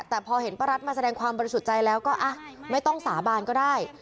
แต่พอเห็นป้ารัฐมาแสดงความบริสุทธิ์ใจแล้วก็ไม่ต้องสาบานก็ได้